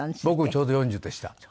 僕ちょうど４０でした。